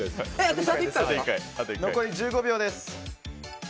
残り１５秒です。